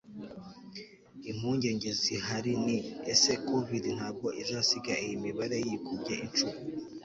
impungenge zihari ni, ese covid- ntabwo izasiga iyi mibare yikubye inshuro